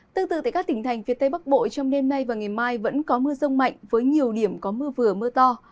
tương tự tại các tỉnh thành phía tây bắc bộ trong đêm nay và ngày mai vẫn có mưa rông mạnh với nhiều điểm có mưa vừa mưa to